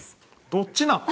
どっちなん？